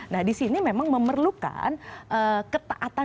nah di sini memang memerlukan ketaatan dan keketatan dari pemerintah